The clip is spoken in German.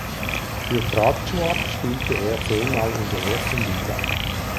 Für Prachuap spielte er zehnmal in der ersten Liga.